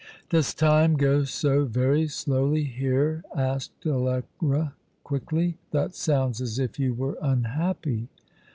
" Does time go so very slowly here ?" asked Allegra, quickly. " That sounds as if you were unhappy."